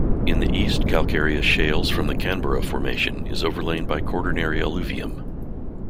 In the east calcareous Shales from the Canberra Formation is overlain by Quaternary alluvium.